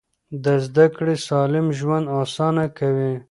دا زده کړه سالم ژوند اسانه کوي.